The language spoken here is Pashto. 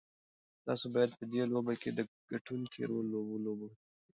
تاسو بايد په دې لوبه کې د ګټونکي رول ولوبوئ.